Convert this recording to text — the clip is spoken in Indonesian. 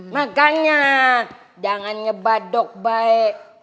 makanya jangan nyebadok baik